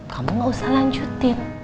kamu gak usah lanjutin